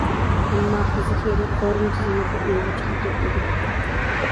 ئەمما، قىزىق يېرى، قورۇما تىزىملىكىدە ئۇيغۇرچە خەت يوق ئىدى.